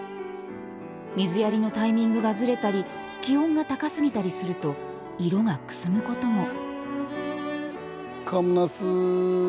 水やりのタイミングがずれたり気温が高過ぎたりすると色がくすむことも。